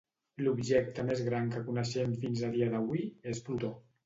L'objecte més gran que coneixem fins a dia d'avui és Plutó.